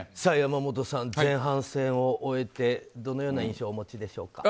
山本さん、前半戦を終えてどのような印象をお持ちでしょう。